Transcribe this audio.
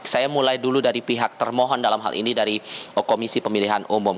saya mulai dulu dari pihak termohon dalam hal ini dari komisi pemilihan umum